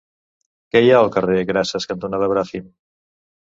Què hi ha al carrer Grases cantonada Bràfim?